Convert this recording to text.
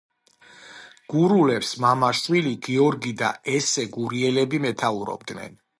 გურულებს მამა-შვილი გიორგი და ესე გურიელები მეთაურობდნენ.